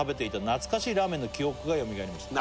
「懐かしいラーメンの記憶がよみがえりました」